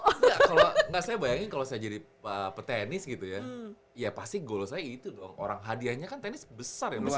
enggak kalau nggak saya bayangin kalau saya jadi petenis gitu ya ya pasti goal saya itu dong orang hadiahnya kan tenis besar ya mas